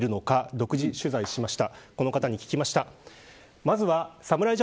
独自取材しました。